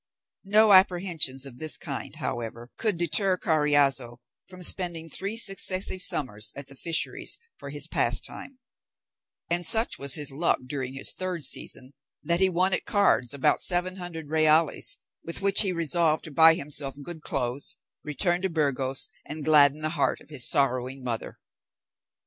No apprehensions of this kind, however, could deter Carriazo from spending three successive summers at the fisheries for his pastime; and such was his luck during his third season, that he won at cards about seven hundred reals, with which he resolved to buy himself good clothes, return to Burgos, and gladden the heart of his sorrowing mother.